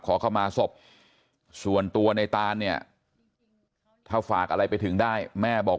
ขอเข้ามาศพส่วนตัวในตานเนี่ยถ้าฝากอะไรไปถึงได้แม่บอก